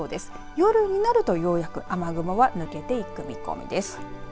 夜になると、ようやく雨雲が抜けていく見込みです。